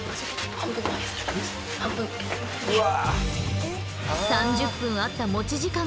うわ。